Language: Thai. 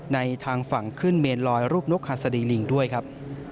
ทางฝั่งขึ้นเมนลอยรูปนกฮัศดีลิงด้วยครับ